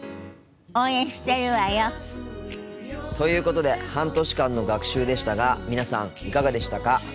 応援してるわよ。ということで半年間の学習でしたが皆さんいかがでしたか？